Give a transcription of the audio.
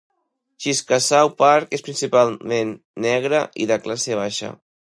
Chickasaw Park és principalment negre i de classe baixa.